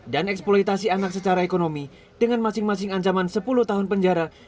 dan eksploitasi anak secara ekonomi dengan masing masing ancaman sepuluh tahun penjara